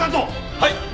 はい！